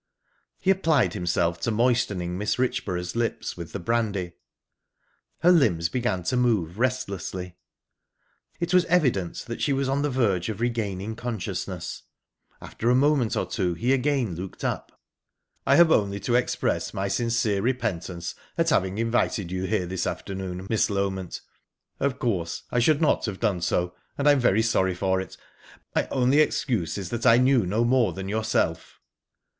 He applied himself to moistening Mrs. Richborough's lips with the brandy. Her limbs began to move restlessly; it was evident that she was on the verge of regaining consciousness. After a moment or two he again looked up. "I have only to express my sincere repentance at having invited you here this afternoon, Miss Loment. Of course, I should not have done so, and I am very sorry for it. My only excuse is that I knew no more than yourself."